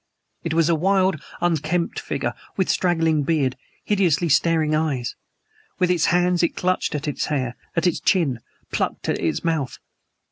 It was a wild, unkempt figure, with straggling beard, hideously staring eyes. With its hands it clutched at its hair at its chin; plucked at its mouth.